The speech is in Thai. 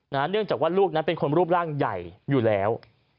เนื่องจากว่าลูกนั้นเป็นคนรูปร่างใหญ่อยู่แล้ว